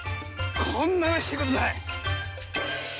こんなうれしいことない。